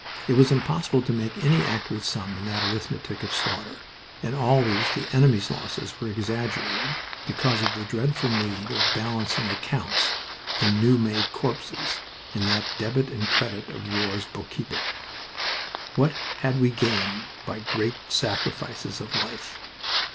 It was impossible to make any accurate sum in that arithmetic of slaughter, and always the enemy's losses were exaggerated because of the dreadful need of balancing accounts in new made corpses in that Debit and Credit of war's bookkeeping. What had we gained by great sacrifices of life?